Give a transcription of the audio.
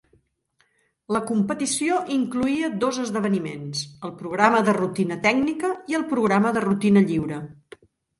La competició incloïa dos esdeveniments, el programa de rutina tècnica i el programa de rutina lliure.